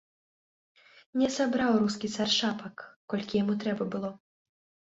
Не сабраў рускі цар шапак, колькі яму трэба было.